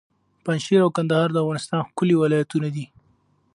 پنجشېر او کندهار د افغانستان ښکلي ولایتونه دي.